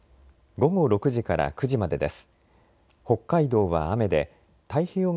午後９時から午前０時までです。